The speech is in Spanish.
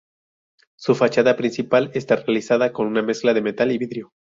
Su fachada principal está realizada con una mezcla de metal y vidrio.